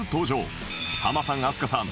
ハマさん飛鳥さん